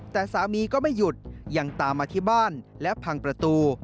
แต่สามีก็ไม่หยุดยังตามมาที่บ้านและพังประตู